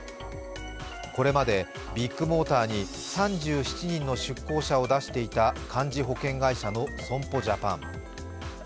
これまでビッグモーターに３７人の出向者を出していた幹事保険会社の損保ジャパン。